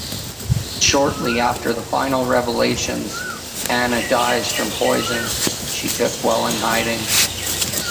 Shortly after the final revelations, Anna dies from poison she took while in hiding.